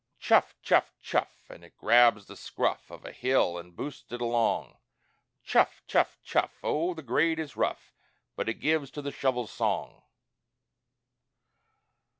"Chuff! chuff! chuff!" an' it grabs the scruff Of a hill an' boosts it along; "Chuff! chuff! chuff!" Oh, the grade is rough, But it gives to the shovel's song!